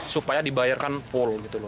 supaya dibayarkan puluh